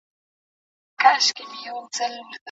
هغه اوسمهال د خپل نوي کار له امله خوشالي کوي.